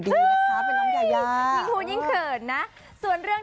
แต่ว่าก็เป็นกำลังใจให้ทุกคนค่ะ